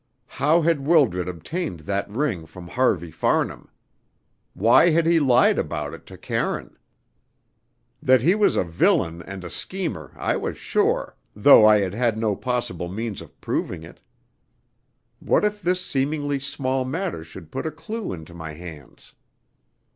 How had Wildred obtained that ring from Harvey Farnham? Why had he lied about it to Karine? That he was a villain and a schemer I was sure, though I had had no possible means of proving it. What if this seemingly small matter should put a clue into my hands.